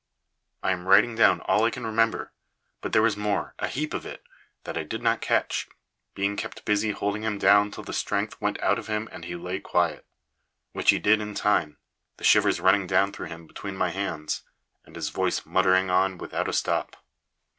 I am writing down all I can remember; but there was more a heap of it that I did not catch, being kept busy holding him down till the strength went out of him and he lay quiet; which he did in time, the shivers running down through him between my hands, and his voice muttering on without a stop.